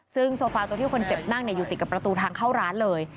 ซึ่งโซฟาตัวที่คนเจ็บนั่งอยู่ติดกับประตูทางเข้าร้านเลย